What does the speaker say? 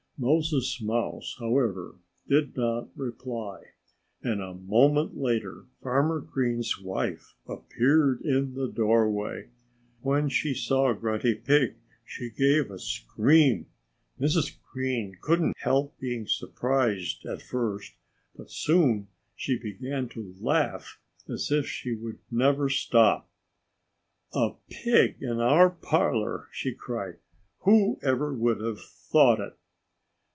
Moses Mouse, however, did not reply. And a moment later Farmer Green's wife appeared in the doorway. When she saw Grunty Pig she gave a scream. Mrs. Green couldn't help being surprised at first. But soon she began to laugh as if she would never stop. "A pig in our parlor!" she cried. "Who ever would have thought it?"